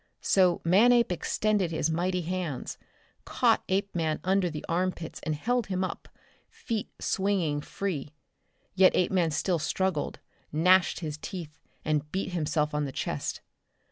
So Manape extended his mighty hands, caught Apeman under the armpits and held him up, feet swinging free. Yet Apeman still struggled, gnashed his teeth, and beat himself on the chest.